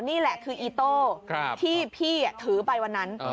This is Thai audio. นี่แหละคืออีโต้ที่พี่ถือไปวันนั้น